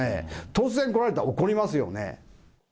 突然来られたら、怒りますよね。